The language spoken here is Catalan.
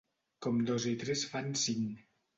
Com dos i tres fan cinc.